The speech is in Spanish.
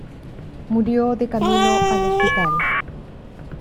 Murió de camino al hospital.